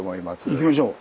行きましょう。